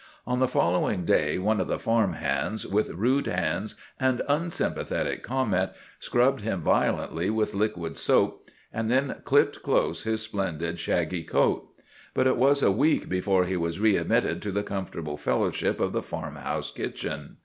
On the following day one of the farm hands, with rude hands and unsympathetic comment, scrubbed him violently with liquid soap and then clipped close his splendid shaggy coat. But it was a week before he was readmitted to the comfortable fellowship of the farmhouse kitchen.